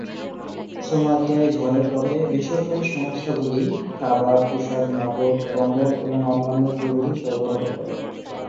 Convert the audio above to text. সোমালিয়ায় ঝড়ের পরে বেসরকারী সংস্থাগুলি খাবার, পোশাক, নগদ, কম্বল এবং অন্যান্য জরুরি সরবরাহ করে।